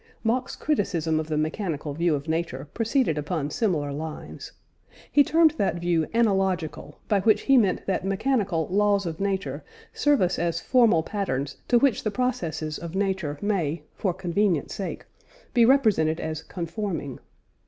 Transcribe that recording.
Mach's criticism of the mechanical view of nature proceeded upon similar lines. He termed that view "analogical," by which he meant that mechanical "laws of nature" serve us as formal patterns to which the processes of nature may (for convenience sake) be represented as conforming.